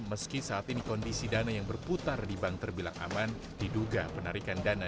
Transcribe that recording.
meski saat ini kondisi dana yang berputar di bank terbilang aman diduga penarikan dana